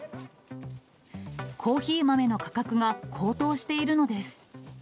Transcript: コーヒー豆の価格が高騰しているのです。